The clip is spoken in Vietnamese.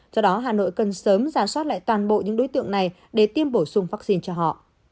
do đó hà nội cần sớm ra soát lại toàn bộ những đối tượng này để tiêm bổ sung vaccine cho họ